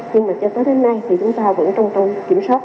nhưng mà cho tới nay thì chúng ta vẫn trong kiểm soát